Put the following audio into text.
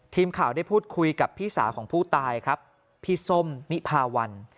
ทีมข่าวได้พูดคุยกับพี่สาวของผู้ตายครับพี่ส้มนิพาวัน